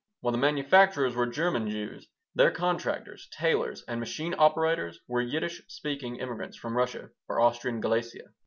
While the manufacturers were German Jews, their contractors, tailors, and machine operators were Yiddish speaking immigrants from Russia or Austrian Galicia.